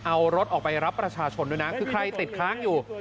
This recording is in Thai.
เอารถออกไปรับประชาชนด้วยนะคือใครติดค้างอยู่